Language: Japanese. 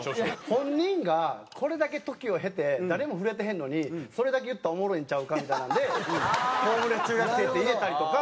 本人がこれだけ時を経て誰も触れてへんのにそれだけ言ったらおもろいんちゃうかみたいなので「ホームレス中学生！」って入れたりとか。